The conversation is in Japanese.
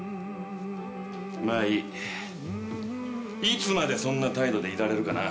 いつまでそんな態度でいられるかな？